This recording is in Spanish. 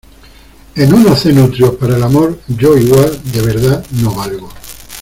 en unos cenutrios para el amor. yo igual, de verdad , no valgo .